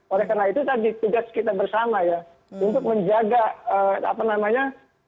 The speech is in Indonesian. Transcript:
oleh karena itu tadi tugas kita bersama ya untuk menjaga apa namanya